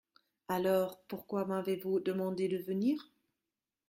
Alors, pourquoi m’avez-vous demandé de venir ?